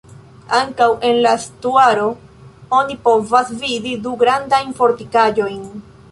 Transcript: Ankaŭ en la estuaro oni povas vidi du grandajn fortikaĵojn.